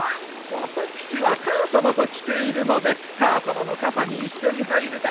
私は母さまと来ているので母さまの傘に一緒に入るから大丈夫です。